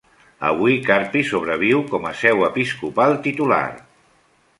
Avui Carpi sobreviu com a seu episcopal titular.